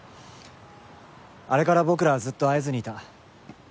あれから僕らはずっと会えずにいた。